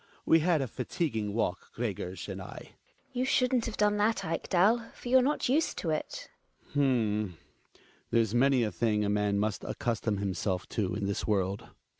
We had a fatiguing walk, Gregers and I. Gina. You shouldn't have done that, Ekdal; for you're not used to it. Hj.\xmar, H'm; there's many a thing a man must accustom himself to in this world.